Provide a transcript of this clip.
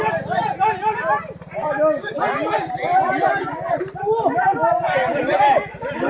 หล่อหล่อหล่อหล่อหล่อหล่อหล่อหล่อหล่อหล่อหล่อหล่อหล่อ